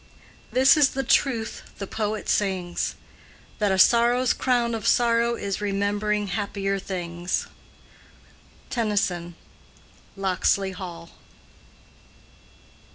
"This is true the poet sings, That a sorrow's crown of sorrow Is remembering happier things." —TENNYSON: In Memoriam.